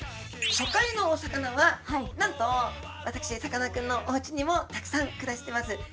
初回のお魚はなんと私さかなクンのおうちにもたくさん暮らしてます